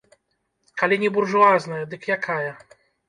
Калі не буржуазная, дык якая?